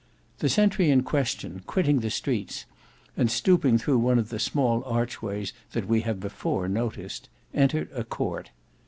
The sentry in question, quitting the streets, and stooping through one of the small archways that we have before noticed, entered a court.